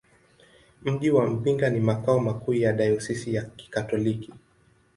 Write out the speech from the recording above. Mji wa Mbinga ni makao makuu ya dayosisi ya Kikatoliki.